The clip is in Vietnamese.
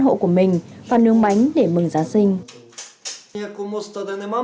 hộ của mình và nướng bánh để mừng giáng sinh là người tị nạn chúng tôi không có nhiều khả năng